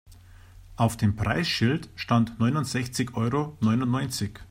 Auf dem Preisschild stand neunundsechzig Euro neunundneunzig.